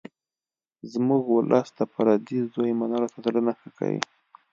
زموږ ولس د پردي زوی منلو ته زړه نه ښه کوي